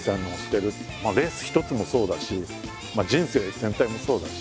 レース一つもそうだし人生全体もそうだし。